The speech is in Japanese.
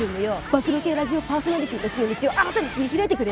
暴露系ラジオパーソナリティーとしての道を新たに切り開いてくれる！